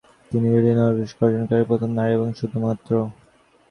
তিনি দুইটি নোবেল পুরস্কার অর্জনকারী প্রথম নারী এবং শুধুমাত্র